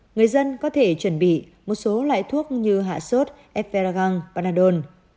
người dân có thể chuẩn bị một số loại thuốc như hạ sốt eferagang banadol